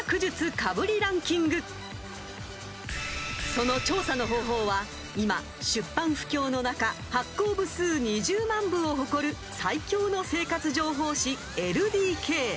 ［その調査の方法は今出版不況の中発行部数２０万部を誇る最強の生活情報誌『ＬＤＫ』］